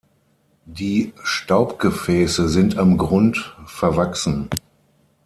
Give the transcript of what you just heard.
Die Staubgefäße sind am Grund verwachsen.